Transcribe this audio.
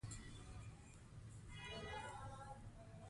کابل ته برېښنا ورکړل شوه.